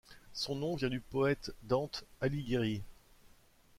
Son nom vient du poète Dante Alighieri.